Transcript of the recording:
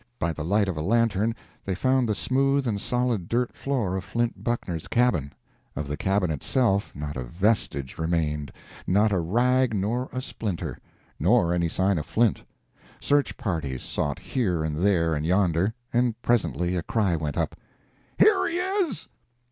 By the light of a lantern they found the smooth and solid dirt floor of Flint Buckner's cabin; of the cabin itself not a vestige remained, not a rag nor a splinter. Nor any sign of Flint. Search parties sought here and there and yonder, and presently a cry went up. "Here he is!"